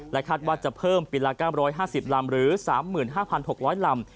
คาดว่าจะเพิ่มปีละ๙๕๐ลำหรือ๓๕๖๐๐ลำ